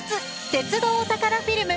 鉄道お宝フィルム」。